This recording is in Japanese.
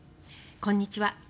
こんにちは。